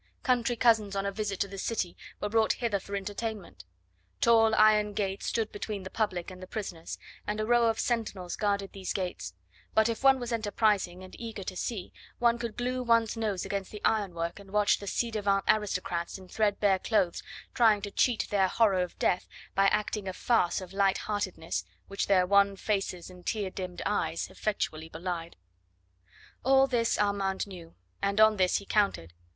Country cousins on a visit to the city were brought hither for entertainment. Tall iron gates stood between the public and the prisoners, and a row of sentinels guarded these gates; but if one was enterprising and eager to see, one could glue one's nose against the ironwork and watch the ci devant aristocrats in threadbare clothes trying to cheat their horror of death by acting a farce of light heartedness which their wan faces and tear dimmed eyes effectually belied. All this Armand knew, and on this he counted.